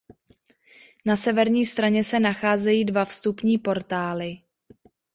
Na severní straně se nacházejí dva vstupní portály.